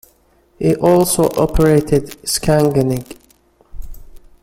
He also operated Skanga Nig.